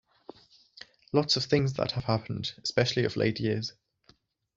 Lots of things that have happened — especially of late years.